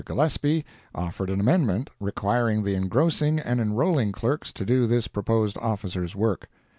Gillespie offered an amendment requiring the Engrossing and Enrolling Clerks to do this proposed officer's work.